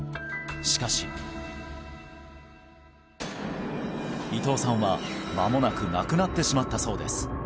しかし伊藤さんはまもなく亡くなってしまったそうです